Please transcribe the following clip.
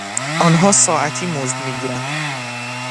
آنها ساعتی مزد میگیرند.